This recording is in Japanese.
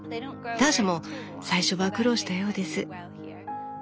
ターシャも最初は苦労したようです。